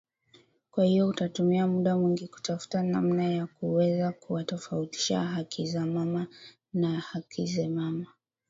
kwahiyo utatumia muda mwingi kutafuta namna ya kuweza kuwatofautisha Hakizimana na Hakizemana